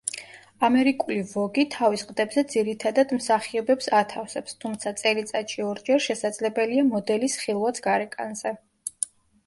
ამერიკული ვოგი თავის ყდებზე ძირითადად მსახიობებს ათავსებს თუმცა წელიწადში ორჯერ შესაძლებელია მოდელის ხილვაც გარეკანზე.